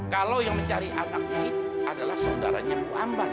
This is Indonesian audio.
kalau yang mencari anaknya itu adalah saudaranya bu ambar